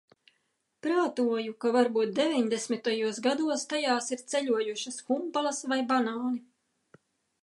Prātoju, ka varbūt deviņdesmitajos gados tajās ir ceļojušas humpalas vai banāni.